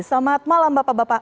selamat malam bapak bapak